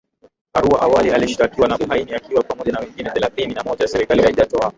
Arua awali alishatkiwa na uhaini akiwa pamoja na wengine thelathini na moja Serikali haijatoa